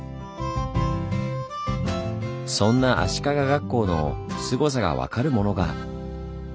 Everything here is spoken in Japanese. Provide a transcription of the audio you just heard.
そんな足利学校のすごさが分かるものが。